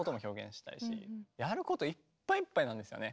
やることいっぱいいっぱいなんですよね。